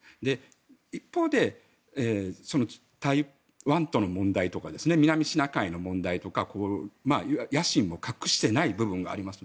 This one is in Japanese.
一方で台湾との問題とか南シナ海の問題とか野心も隠していない部分があります。